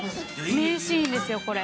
名シーンですよこれ。